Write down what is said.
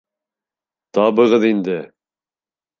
Табығыҙ инде!